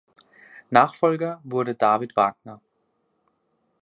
Nachfolger wurde David Wagner.